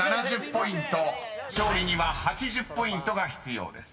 ［勝利には８０ポイントが必要です］